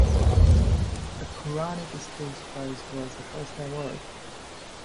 The Qur’anic Schools Prize was the first award.